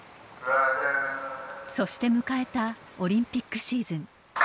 そして迎えたオリンピックシーズン。